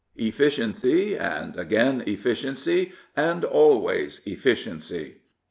Efficiency, and again efficiency, and always efficiency.